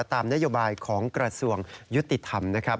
ตามนโยบายของกระทรวงยุติธรรมนะครับ